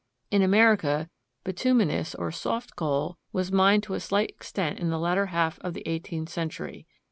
In America bituminous, or soft coal, was mined to a slight extent in the latter half of the eighteenth century.